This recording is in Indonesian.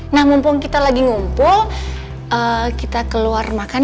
nah mumpung kita lagi ngumpul kita keluar makan